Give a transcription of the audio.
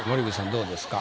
どうですか？